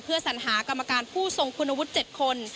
สัญหากรรมการผู้ทรงคุณวุฒิ๗คน